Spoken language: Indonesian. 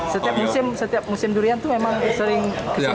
setiap musim durian itu memang sering kesini